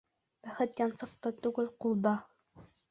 Бәхет янсыҡта түгел, ҡулда.